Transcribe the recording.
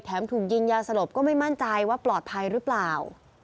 ถูกยิงยาสลบก็ไม่มั่นใจว่าปลอดภัยหรือเปล่า